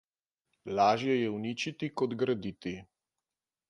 Lažje je uničiti kot graditi.